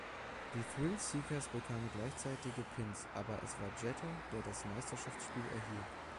Die Thrillseekers bekamen gleichzeitige Pins, aber es war Jeter, der das Meisterschaftsspiel erhielt.